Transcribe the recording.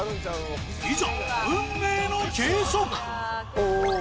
いざ運命の計測！